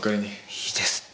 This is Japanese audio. いいですって。